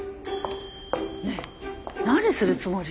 ねえ何するつもり？